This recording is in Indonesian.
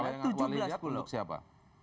kalau yang awali lihat untuk siapa